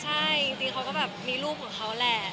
จริงเค้าก็แบบมีรูปของเค้าแหล่ะ